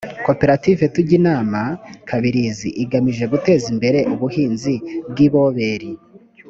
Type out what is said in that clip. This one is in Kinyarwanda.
koperative tujyinama kabirizi igamije guteza imbere ubuhinzi bw’iboberi